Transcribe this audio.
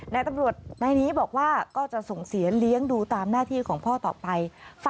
นายตำรวจนายนี้บอกว่าก็จะส่งเสียเลี้ยงดูตามหน้าที่ของพ่อต่อไป